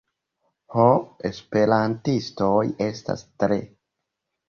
ho, esperantistoj estas tre...